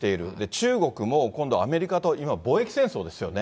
中国も、今度、アメリカと今、貿易戦争ですよね。